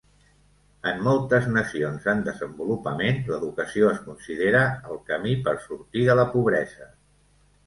En moltes nacions en desenvolupament l'educació es considera el camí per sortir de la pobresa.